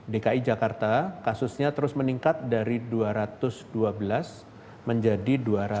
dki jakarta kasusnya terus meningkat dari dua ratus dua belas menjadi dua ratus